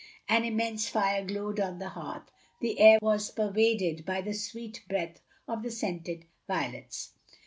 An inmiense fire glowed on the hearth; the air was pervaded by the sweet breath of the scented violets.